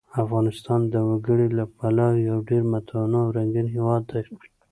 افغانستان د وګړي له پلوه یو ډېر متنوع او رنګین هېواد دی.